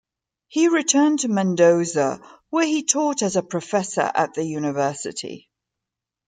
He returned to Mendoza, where he taught as a professor at the university.